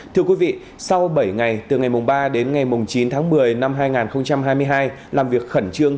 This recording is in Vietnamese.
thưa quý vị sau bảy ngày từ ngày ba đến ngày chín tháng một mươi năm hai nghìn hai mươi hai làm việc khẩn trương